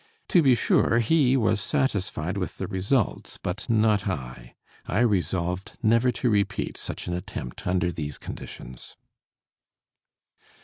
To be sure, he was satisfied with the results but not I; I resolved never to repeat such an attempt under these conditions.